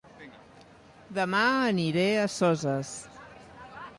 Dema aniré a Soses